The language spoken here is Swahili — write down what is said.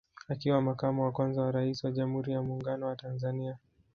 Akiwa Makamo wa kwanza wa Rais wa Jamhuri ya Muungano wa Tanzania